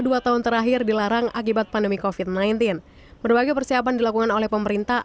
dua tahun terakhir dilarang akibat pandemi kofit sembilan belas berbagai persiapan dilakukan oleh pemerintah